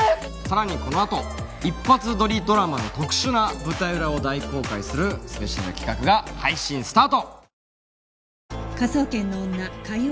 さらにこのあと一発撮りドラマの特殊な舞台裏を大公開するスペシャル企画が配信スタート！